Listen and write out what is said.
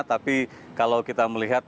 tapi kalau kita melihat